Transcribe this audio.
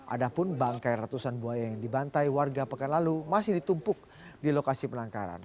ada pun bangkai ratusan buaya yang dibantai warga pekan lalu masih ditumpuk di lokasi penangkaran